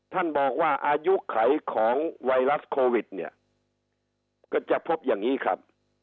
ท่านบอกว่าอายุไขของไวรัสโควิดเนี่ยก็จะพบอย่างนี้ครับ